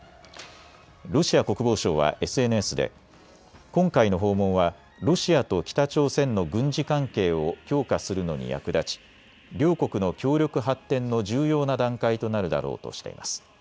ロシア国防省はＳＮＳで今回の訪問はロシアと北朝鮮の軍事関係を強化するのに役立ち両国の協力発展の重要な段階となるだろうとしています。